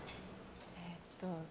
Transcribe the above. えっと。